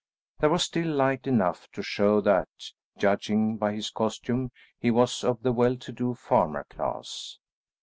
There was still light enough to show that, judging by his costume, he was of the well to do farmer class.